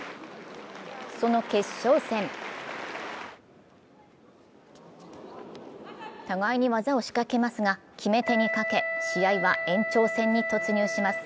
その決勝戦互いに技を仕掛けますが、決めてに欠け、試合は延長戦に突入します。